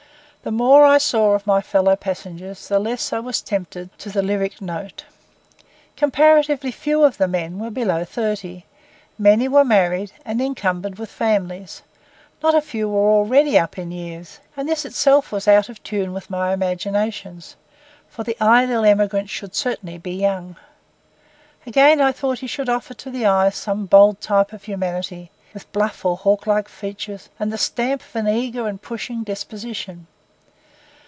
The more I saw of my fellow passengers, the less I was tempted to the lyric note. Comparatively few of the men were below thirty; many were married, and encumbered with families; not a few were already up in years; and this itself was out of tune with my imaginations, for the ideal emigrant should certainly be young. Again, I thought he should offer to the eye some bold type of humanity, with bluff or hawk like features, and the stamp of an eager and pushing disposition.